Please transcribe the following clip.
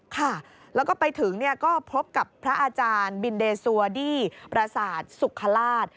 ค่ะแล้วก็ไปถึงก็พบกับพระอาจารย์บินเดซัวดี้ประสาทสุขราช